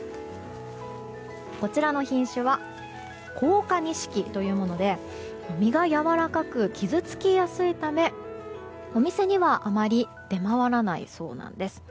こちらの品種は香夏錦というもので実がやわらかく傷つきやすいためお店にはあまり出回らないそうなんです。